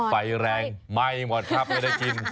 ไฟแรงไหม้หมดครับไม่ได้กิน